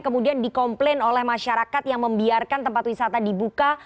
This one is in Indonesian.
kemudian dikomplain oleh masyarakat yang membiarkan tempat wisata dibuka